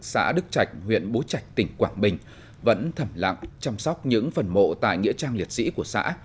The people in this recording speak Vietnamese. xã đức trạch huyện bố trạch tỉnh quảng bình vẫn thẩm lặng chăm sóc những phần mộ tại nghĩa trang liệt sĩ của xã